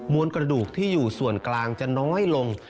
วนกระดูกที่อยู่ส่วนกลางจะน้อยลง